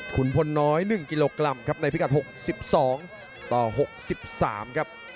คุณพลน้อย๑กิโลกรัมครับในพิกัด๖๒ต่อ๖๓ครับ